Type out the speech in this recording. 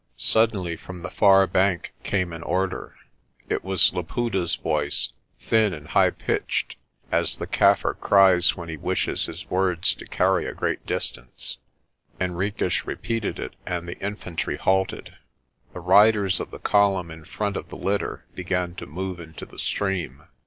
Suddenly from the far bank came an order. It was Laputa's voice, thin and high pitched, as the Kaffir cries when he wishes his words to carry a great distance. Hen riques repeated it and the infantry halted. The riders of the column in front of the litter began to move into the stream.